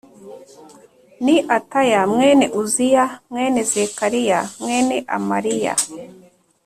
ni Ataya mwene Uziya mwene Zekariya mwene Amariya